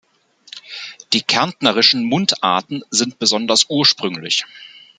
Die Kärntnerischen Mundarten sind besonders ursprünglich.